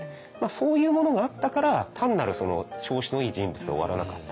そういうものがあったから単なる調子のいい人物で終わらなかった。